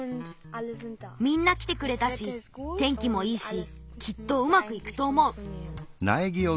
みんなきてくれたし天気もいいしきっとうまくいくとおもう。